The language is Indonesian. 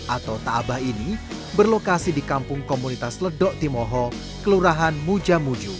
atau taabah ini berlokasi di kampung komunitas ledok timoho kelurahan mujamuju